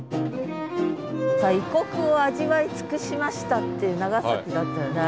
さあ異国を味わい尽くしましたっていう長崎だったよね。